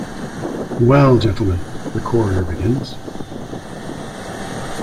"Well, gentlemen —" the coroner begins.